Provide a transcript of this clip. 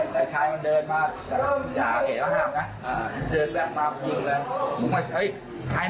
ไม่ทันเห็นเพราะผมห้าม